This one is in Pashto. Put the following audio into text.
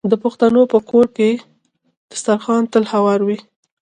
د پښتنو په کور کې دسترخان تل هوار وي.